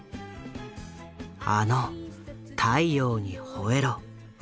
あの「太陽にほえろ！」。